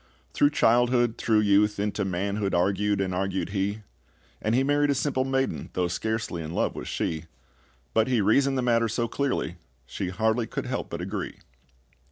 Through childhood, through youth, into manhood Argued and argued he; And he married a simple maiden, Though scarcely in love was she; But he reasoned the matter so clearly she hardly could help but agree.